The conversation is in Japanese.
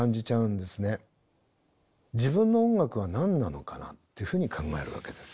自分の音楽は何なのかなっていうふうに考えるわけです